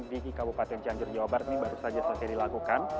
di kabupaten cianjur jawa barat ini baru saja selesai dilakukan